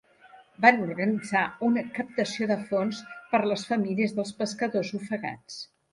Van organitzar una captació de fons per les famílies dels pescadors ofegats.